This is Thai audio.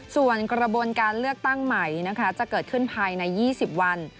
ส่วนกระบวนการเลือกตั้งใหม่จะเกิดขึ้นภายใน๒๐วัน